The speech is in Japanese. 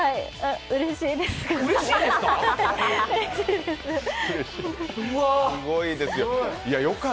うれしいですか！？